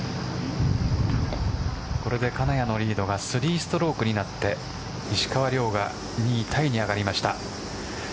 これで金谷のリードが３ストロークになって石川遼が２位タイに上がりました。